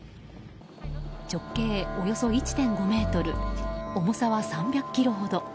直径およそ１．５ｍ重さは３００ｋｇほど。